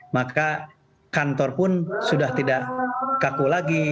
maka kantor pun sudah tidak kaku lagi